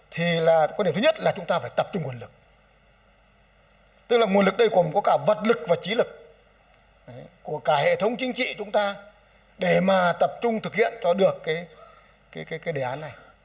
tức là nguồn lực đây cũng có cả vật lực và trí lực của cả hệ thống chính trị chúng ta để mà tập trung thực hiện cho được cái đề án này